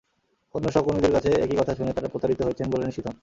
অন্য সহকর্মীদের কাছে একই কথা শুনে তাঁরা প্রতারিত হয়েছেন বলে নিশ্চিত হন।